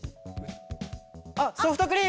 あっソフトクリーム！